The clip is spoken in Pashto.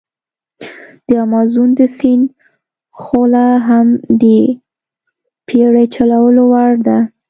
د امازون د سیند خوله هم د بېړی چلولو وړ ده.